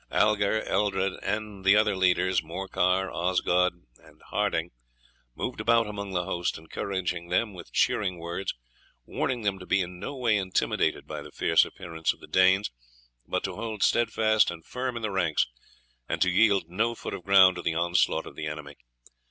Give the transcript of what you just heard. Algar, Eldred, and the other leaders, Morcar, Osgot, and Harding, moved about among the host, encouraging them with cheering words, warning them to be in no way intimidated by the fierce appearance of the Danes, but to hold steadfast and firm in the ranks, and to yield no foot of ground to the onslaught of the enemy.